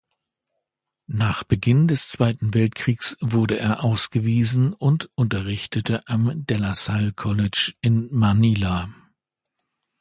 Nach Beginn des Zweiten Weltkriegs wurde er ausgewiesen und unterrichtete am De-La-Salle-College in Manila.